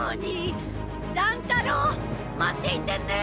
乱太郎待っていてね！